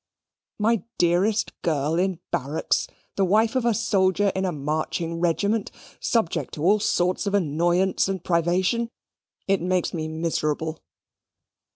My dearest girl in barracks; the wife of a soldier in a marching regiment; subject to all sorts of annoyance and privation! It makes me miserable."